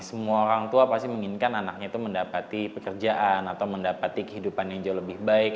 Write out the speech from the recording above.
semua orang tua pasti menginginkan anaknya itu mendapati pekerjaan atau mendapati kehidupan yang jauh lebih baik